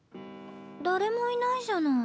誰もいないじゃない。